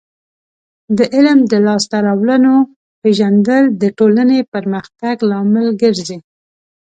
د علم د لاسته راوړنو پیژندل د ټولنې پرمختګ لامل ګرځي.